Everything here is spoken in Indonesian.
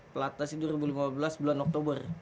platnas ini dua ribu lima belas bulan oktober